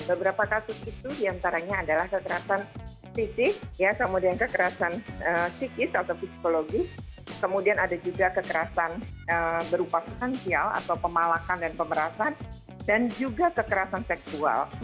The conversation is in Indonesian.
beberapa kasus itu diantaranya adalah kekerasan fisik kemudian kekerasan psikis atau psikologis kemudian ada juga kekerasan berupa finansial atau pemalakan dan pemerasan dan juga kekerasan seksual